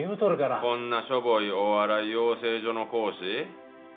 こんなしょぼいお笑い養成所の講師